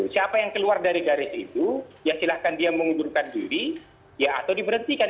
siapa yang keluar dari garis itu ya silahkan dia mengundurkan diri ya atau diberhentikan